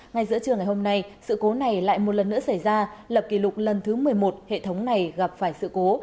ngay giữa trường ngày hôm nay sự cố này lại một lần nữa xảy ra lập kỷ lục lần thứ một mươi một hệ thống này gặp phải sự cố